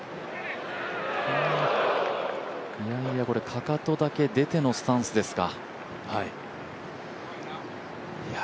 かかとだけ出てのスタンスですか。